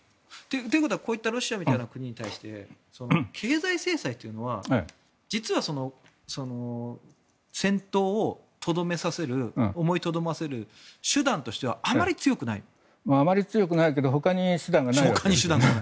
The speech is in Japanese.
ということはこういったロシアみたいな国に対して経済制裁というのは実は戦闘をとどめさせる思いとどまらせる手段としてはあまり強くないけどほかに手段がないから。